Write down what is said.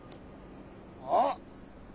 あっ！